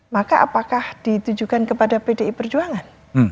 maka apakah ditujukan kepada pdi perjuangan